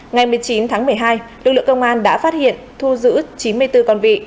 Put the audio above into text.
ngày một mươi chín tháng một mươi hai lực lượng công an đã phát hiện thu giữ chín mươi bốn con vị